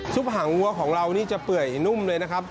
หางวัวของเรานี่จะเปื่อยนุ่มเลยนะครับ